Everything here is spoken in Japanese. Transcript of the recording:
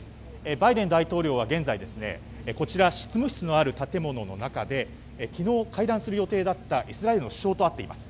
バイデン大統領は現在執務室のある建物の中で昨日、会談する予定だったイスラエルの首相と会っています。